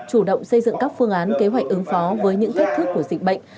chủ động xây dựng các phương án kế hoạch ứng phó với những thách thức của dịch bệnh